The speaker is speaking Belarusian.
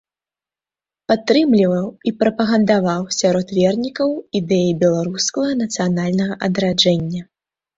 Падтрымліваў і прапагандаваў сярод вернікаў ідэі беларускага нацыянальнага адраджэння.